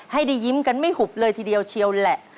ให้ได้ยิ้มกันไม่หุบเลยทีเดียวเชียวแหละ